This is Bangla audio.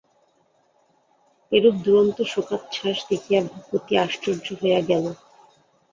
এরূপ দুরন্ত শোকোচ্ছ্বাস দেখিয়া ভূপতি আশ্চর্য হইয়া গেল।